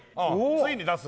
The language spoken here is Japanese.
ついに出す？